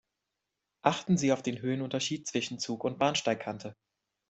Achten Sie auf den Höhenunterschied zwischen Zug und Bahnsteigkante.